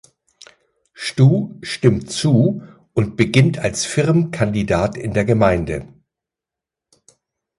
Stu stimmt zu und beginnt als Firmkandidat in der Gemeinde.